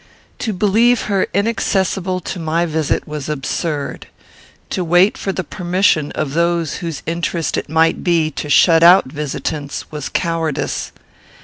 To believe her inaccessible to my visit was absurd. To wait for the permission of those whose interest it might be to shut out visitants was cowardice.